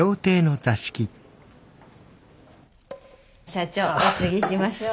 社長おつぎしましょう。